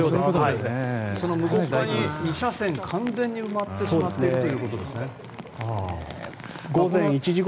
その向こう側に２車線完全に埋まってしまっていると。